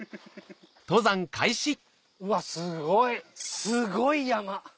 うわすごいすごい山！